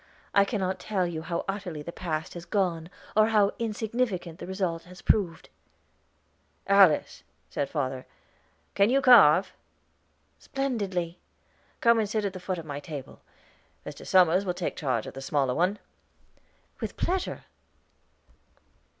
I cannot tell you how utterly the past has gone, or how insignificant the result has proved." "Alice," said father, "can you carve?" "Splendidly." "Come and sit at the foot of my table; Mr. Somers will take charge of the smaller one." "With pleasure."